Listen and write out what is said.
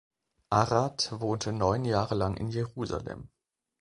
Arad wohnte neun Jahre lang in Jerusalem.